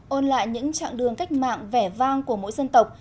ôn lại những chặng đường cách mạng vẻ vang của mỗi dân tộc